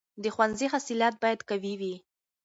د ښوونځي صلاحیت باید قوي وي.